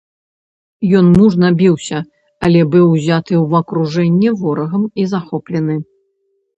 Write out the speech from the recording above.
Ён мужна біўся, але быў узяты ў акружэнне ворагам і захоплены.